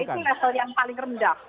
itu level yang paling rendah